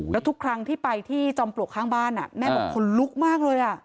แล้วทุกครั้งที่ไปที่จอมปลวกข้างบ้านแม่บอกขนลุกมากเลย